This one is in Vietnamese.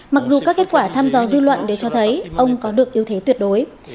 mặc dù các kết quả thăm dò dư luận đều cho thấy ông có được yếu thế tuyệt đối